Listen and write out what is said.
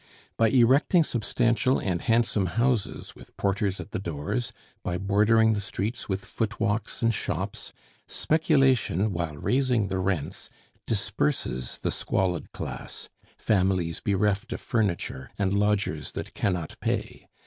By erecting substantial and handsome houses, with porters at the doors, by bordering the streets with footwalks and shops, speculation, while raising the rents, disperses the squalid class, families bereft of furniture, and lodgers that cannot pay.